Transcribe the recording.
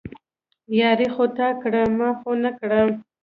ياري خو تا کړه، ما خو نه کړه